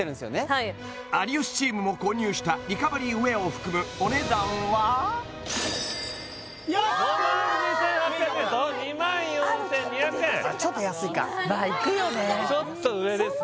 はい有吉チームも購入したリカバリーウェアを含むお値段はうわ５万２８００円と２万４２００円あっでもちょっとでかすぎたかちょっと安いかいくよね